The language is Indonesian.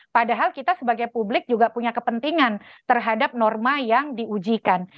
padahal kita sebagai publik juga punya kepentingan terhadap norma yang diujikan